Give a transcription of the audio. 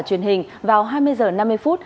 truyền hình vào hai mươi h năm mươi phút